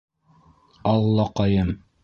Аллаҡайым!